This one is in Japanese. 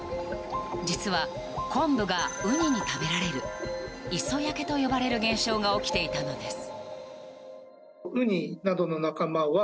実は昆布がウニに食べられる磯焼けと呼ばれる現象が起きていたのです。